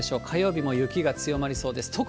火曜日の雪が強まりそうです。